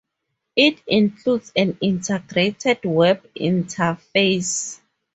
It includes an integrated web-interface.